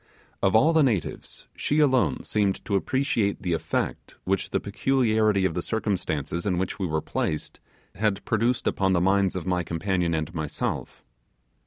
Of all the natives she alone seemed to appreciate the effect which the peculiarity of the circumstances in which we were placed had produced upon the minds of my companion and myself.